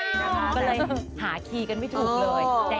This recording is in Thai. ก็เลยหาคีย์กันไม่ถูกเลย